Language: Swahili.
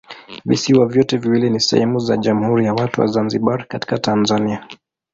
Visiwa vyote viwili ni sehemu za Jamhuri ya Watu wa Zanzibar katika Tanzania.